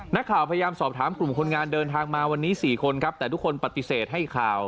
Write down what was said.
นักข่าวพยายามสอบถามกลุ่มคนงานเดินทางมาวันนี้๔คนครับแต่ทุกคนปฏิเสธให้ข่าว